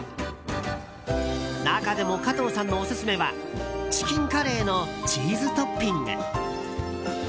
中でも加藤さんのオススメはチキンカレーのチーズトッピング。